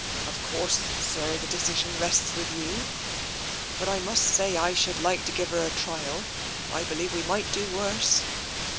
Of course, sir, the decision rests with you, but I must say I should like to give her a trial. I believe we might do worse."